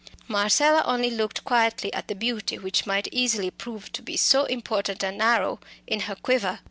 Marcella only looked quietly at the beauty which might easily prove to be so important an arrow in her quiver.